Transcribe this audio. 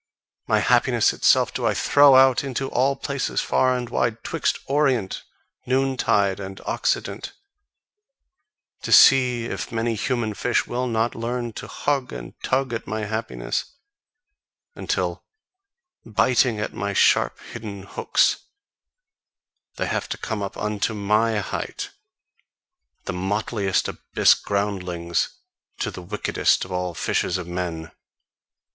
My happiness itself do I throw out into all places far and wide 'twixt orient, noontide, and occident, to see if many human fish will not learn to hug and tug at my happiness; Until, biting at my sharp hidden hooks, they have to come up unto MY height, the motleyest abyss groundlings, to the wickedest of all fishers of men.